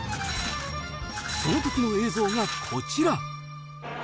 そのときの映像がこちら。